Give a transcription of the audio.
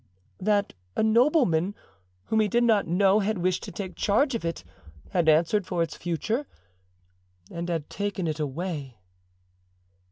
"That a nobleman whom he did not know had wished to take charge of it, had answered for its future, and had taken it away."